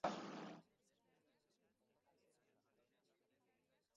Kontzertuen agenda bete-beteta dator asteburura begira.